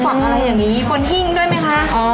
ไม่แน่ใจเหมือนกันว่าเอ๊ะที่ขายกิดขายดีดี